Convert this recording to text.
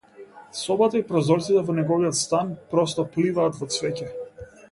Собата и прозорците во неговиот стан просто пливаат во цвеќе.